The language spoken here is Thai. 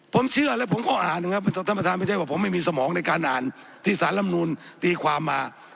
ผมเชื่อและผมก็อ่านครับมันไม่ใช่ว่าผมไม่มีสมองในการอ่านที่สารรำนูลตีความมา